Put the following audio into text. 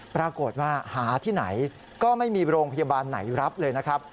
ปรากฏว่าหาที่ไหนก็ไม่มีโรงพยาบาลไหนรับเลยนะครับ